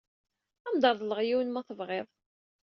Ad am-reḍleɣ yiwen ma tebɣiḍ.